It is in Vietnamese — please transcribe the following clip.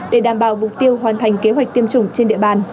để đảm bảo mục tiêu hoàn thành kế hoạch tiêm chủng trên địa bàn